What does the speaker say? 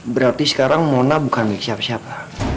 berarti sekarang mona bukan milik siapa siapa